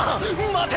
待て！